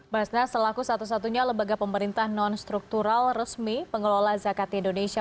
basnas selaku satu satunya lembaga pemerintah non struktural resmi pengelola zakat di indonesia